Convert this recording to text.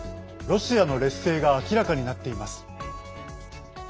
ロシアの劣勢が明らかになっています。